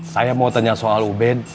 saya mau tanya soal ubin